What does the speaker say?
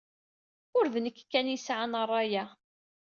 Ur d nekk kan ay yesɛan ṛṛay-a.